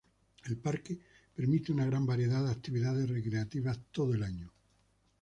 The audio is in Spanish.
El parque permite una gran variedad de actividades recreativas todo el año.